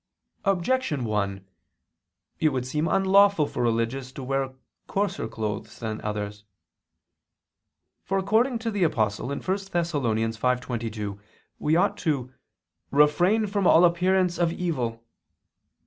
Objection 1: It would seem unlawful for religious to wear coarser clothes than others. For according to the Apostle (1 Thess. 5:22) we ought to "refrain from all appearance of evil."